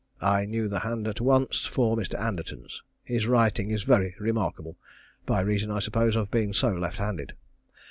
I knew the hand at once for Mr. Anderton's. His writing is very remarkable, by reason, I suppose, of being so left handed.